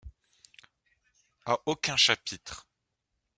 A aucun chapitre.